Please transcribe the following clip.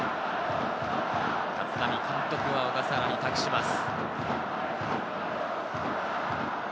立浪監督は小笠原に託します。